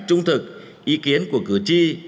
trung thực ý kiến của cử tri